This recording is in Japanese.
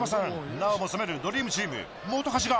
なおも攻めるドリームチーム本橋が。